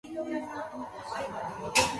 Rieti.